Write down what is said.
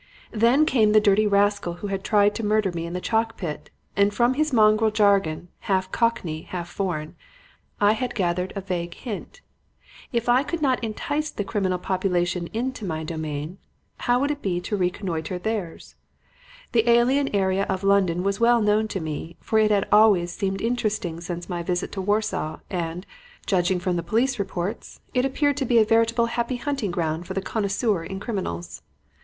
Then came the dirty rascal who had tried to murder me in the chalk pit; and from his mongrel jargon, half cockney, half foreign, I had gathered a vague hint. If I could not entice the criminal population into my domain, how would it be to reconnoiter theirs? The alien area of London was well known to me, for it had always seemed interesting since my visit to Warsaw, and, judging from the police reports, it appeared to be a veritable happy hunting ground for the connoisseur in criminals.